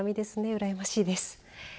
うらやましいです。